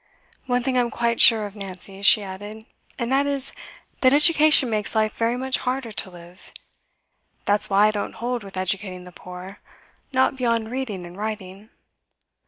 'One thing I'm quite sure of, Nancy,' she added, 'and that is, that education makes life very much harder to live. That's why I don't hold with educating the poor not beyond reading and writing.